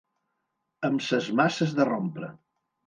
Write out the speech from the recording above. Amb ses maces de rompre.